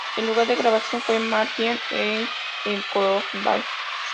El lugar de grabación fue Martian Engineering en Cornwall.